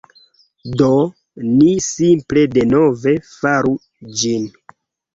Do, ni simple denove faru ĝin